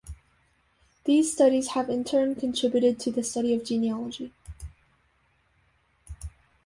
These studies have, in turn, contributed to the study of genealogy.